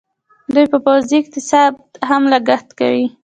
دوی په پوځي اقتصاد هم لګښت کوي.